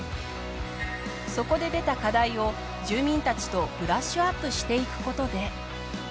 そこで出た課題を住民たちとブラッシュアップしていく事で。